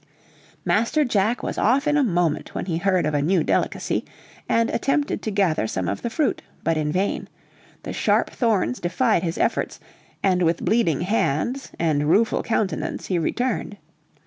Master Jack was off in a moment when he heard of a new delicacy, and attempted to gather some of the fruit, but in vain; the sharp thorns defied his efforts, and with bleeding hands, and rueful countenance, he returned.